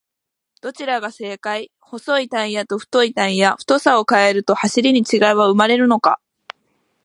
どちらが正解!?細いタイヤと太いタイヤ、太さを変えると走りに違いは生まれるのか？